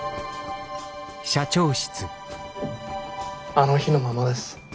あの日のままです。